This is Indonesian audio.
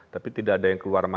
tapi tidak ada yang keluar masuk